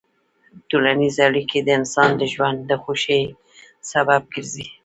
ټولنیز اړیکې د انسان د ژوند د خوښۍ سبب ګرځي.